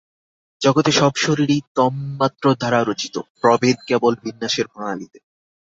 জগতে সব শরীরই তন্মাত্র দ্বারা রচিত, প্রভেদ কেবল বিন্যাসের প্রণালীতে।